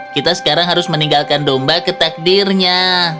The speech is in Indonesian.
kita sekarang harus meninggalkan domba ke takdirnya